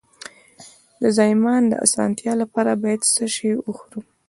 د زایمان د اسانتیا لپاره باید څه شی وخورم؟